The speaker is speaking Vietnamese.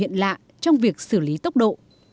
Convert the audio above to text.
điều hiện lạ trong việc xử lý tốc độ